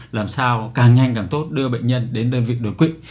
làm sao càng nhanh càng tốt đưa bệnh nhân đến đơn vị đột quỵ